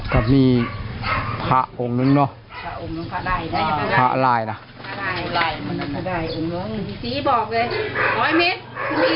ก็มีผ้าองค์นึงเนาะผ้าไลน่ะสีบอกเลย๑๐๐เมตร